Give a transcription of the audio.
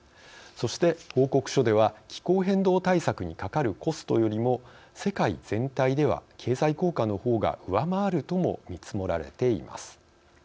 そして報告書では気候変動対策にかかるコストよりも世界全体では経済効果のほうが上回るとも見積もられています。